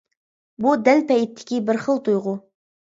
بۇ دەل پەيتتىكى بىر خىل تۇيغۇ.